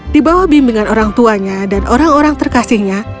di bawah bimbingan orang tuanya dan orang orang terkasihnya